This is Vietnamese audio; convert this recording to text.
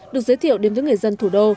được giới thiệu đến với người dân thủ đô